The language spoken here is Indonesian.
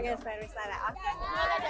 jadi itu pariwisata oke